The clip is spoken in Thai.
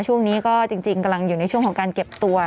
ช่วงนี้ก็จริงกำลังอยู่ในช่วงของการเก็บตัว